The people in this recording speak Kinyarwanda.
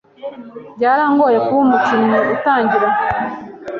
Byarangoye kuba umukinnyi utangira.